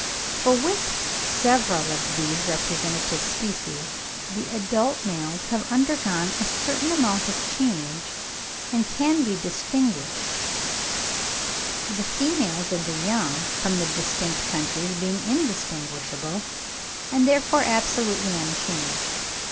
For with several of these representative species the adult males have undergone a certain amount of change and can be distinguished; the females and the young from the distinct countries being indistinguishable, and therefore absolutely unchanged.